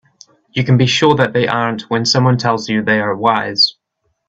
You can be sure that they aren't when someone tells you they are wise.